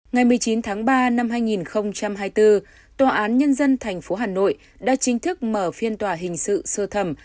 ngày một mươi chín tháng ba năm hai nghìn hai mươi bốn tòa án nhân dân tp hà nội đã chính thức mở phiên tòa hình sự sơ thẩm